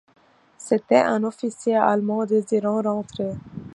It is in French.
C'était un officier allemand désirant rentrer.